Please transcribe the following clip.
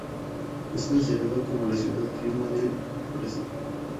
Es considerada como la "Ciudad Clima del Brasil".